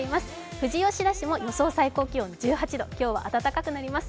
富士吉田市も予想最高気温は１８度、今日は暖かくなります。